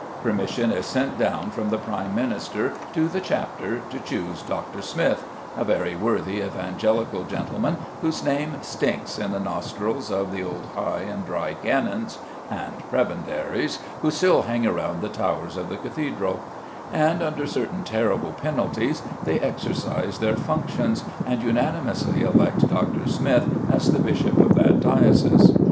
Permission is sent down from the Prime Minister to the chapter to choose Dr. Smith, a very worthy evangelical gentleman, whose name stinks in the nostrils of the old high and dry canons and prebendaries who still hang round the towers of the cathedral; and, under certain terrible penalties, they exercise their functions, and unanimously elect Dr. Smith as the bishop of that diocese.